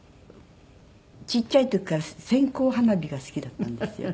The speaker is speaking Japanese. ちっちゃい時から線香花火が好きだったんですよ。